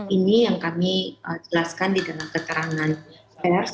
ini yang kami jelaskan di dalam keterangan pers